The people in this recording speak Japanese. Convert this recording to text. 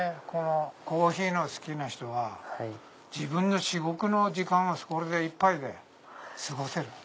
コーヒーの好きな人は自分の至極の時間をそれで一杯で過ごせる。